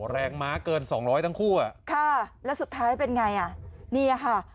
ม้าเกินสองร้อยทั้งคู่อ่ะค่ะแล้วสุดท้ายเป็นไงอ่ะเนี่ยค่ะ